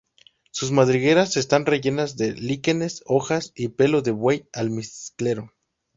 Sus madrigueras están rellenas de líquenes, hojas y pelo de buey almizclero.